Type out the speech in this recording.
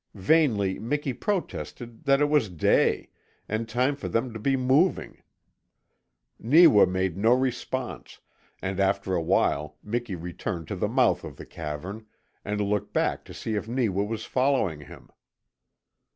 Vainly Miki protested that it was day, and time for them to be moving. Neewa made no response, and after a while Miki returned to the mouth of the cavern, and looked back to see if Neewa was following him.